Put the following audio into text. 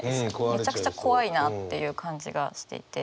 めちゃくちゃ怖いなっていう感じがしていて。